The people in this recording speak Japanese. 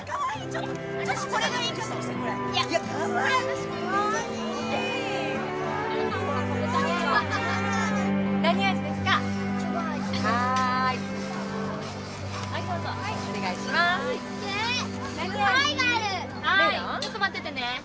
ちょっと待っててね。